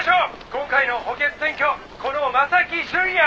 今回の補欠選挙この真崎純也。